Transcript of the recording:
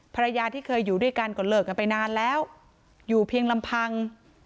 ภรรยาที่เคยอยู่ด้วยกันก็เลิกกันไปนานแล้วอยู่เพียงลำพัง